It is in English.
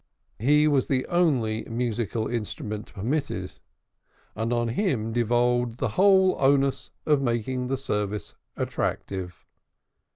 He was the only musical instrument permitted, and on him devolved the whole onus of making the service attractive.